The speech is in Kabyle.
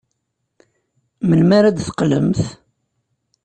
Melmi ara d-teqqlemt?